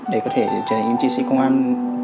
để có thể trở thành chi sĩ công an